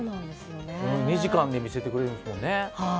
２時間で見せてくれるんですもんね。